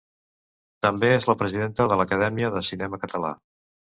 També és la presidenta de l'Acadèmia de Cinema Català.